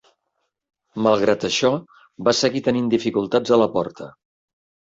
Malgrat això, va seguir tenint dificultats a la porta.